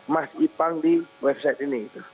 mas ipang di website ini